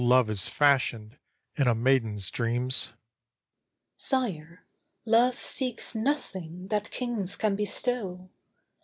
ESTHER Sire, love seeks nothing that kings can bestow.